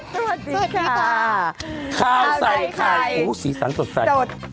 สวัสดีค่ะข้าวใส่ไข่หูสีสันสดใส